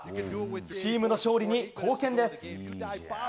チームの勝利に貢献です。